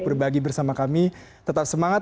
berbagi bersama kami tetap semangat